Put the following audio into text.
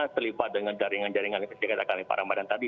selipat dengan jaringan jaringan yang dikatakan oleh pak ramadhan tadi